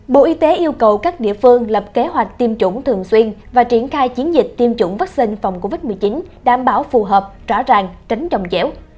bộ y tế yêu cầu các địa phương lập kế hoạch tiêm chủng thường xuyên và triển khai chiến dịch tiêm chủng vaccine phòng covid một mươi chín đảm bảo phù hợp rõ ràng tính trồng dẻo